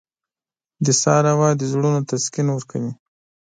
• د سهار هوا د زړونو تسکین ورکوي.